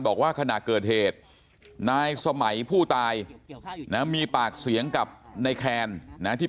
บอกว่าขณะเกิดเหตุนายสมัยผู้ตายนะมีปากเสียงกับนายแคนนะที่